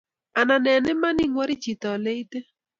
Anan eng iman ingwari chito oleite